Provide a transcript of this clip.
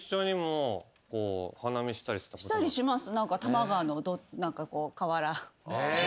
したりします。